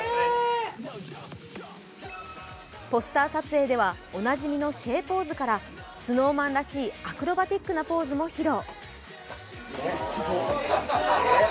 ポスター撮影ではおなじみのシェーポーズからＳｎｏｗＭａｎらしいアクロバティックなポーズも披露。